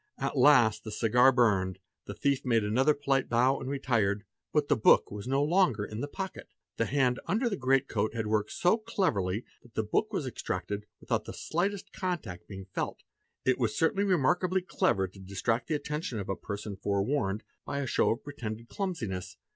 At last the cigar burned ; the thief made another polite bow and retired, — but the book was no longer in the pocket. The hand under the great — coat had worked so cleverly that the book was extracted without the — slightest contact being felt. It was certainly remarkably clever to distract — the attention of a person fore warned, by a show of pretended clumsiness.